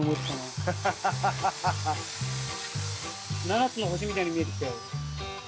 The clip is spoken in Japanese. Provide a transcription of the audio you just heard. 七つの星みたいに見えてきたよ。